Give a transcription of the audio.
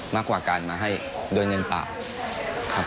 มากกว่าการมาให้โดยเงินปาก